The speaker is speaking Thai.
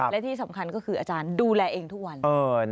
และที่สำคัญก็คืออาจารย์ดูแลเองทุกวัน